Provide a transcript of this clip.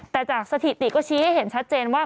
แต่จากสถิติก็ชี้ให้เห็นชัดเจนว่า